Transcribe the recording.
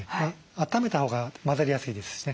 あっためたほうが混ざりやすいですしね。